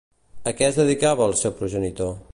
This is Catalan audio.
A què es dedicava el seu progenitor?